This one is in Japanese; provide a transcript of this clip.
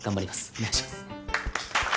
お願いします！